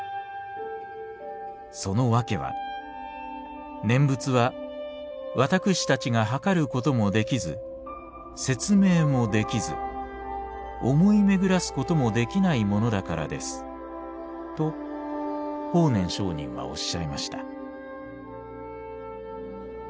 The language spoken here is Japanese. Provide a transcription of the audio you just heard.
そのわけは念仏は私たちが量ることもできず説明もできず思いめぐらすこともできないものだからです』と法然上人はおっしゃいました」。